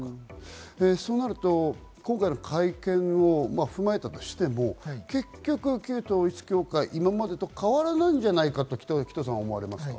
そうなると今回の会見を踏まえたとしても、結局、旧統一教会、今までと変わらないんじゃないかと紀藤さんは思われますか？